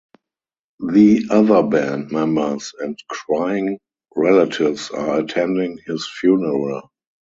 The other band members and crying relatives are attending his funeral.